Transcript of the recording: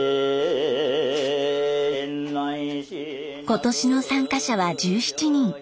今年の参加者は１７人。